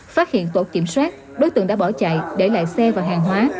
phát hiện tổ kiểm soát đối tượng đã bỏ chạy để lại xe và hàng hóa